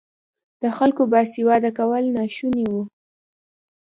د خلکو باسواده کول ناشوني وو.